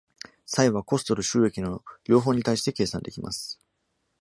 差異は、コストと収益の両方に対して計算できます。